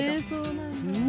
うん。